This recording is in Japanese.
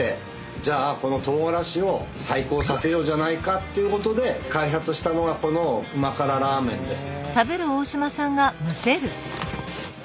じゃあこのとうがらしを再興させようじゃないかということで開発したのがこの旨辛ラーメンです。